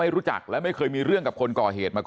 ไม่รู้ตอนไหนอะไรยังไงนะ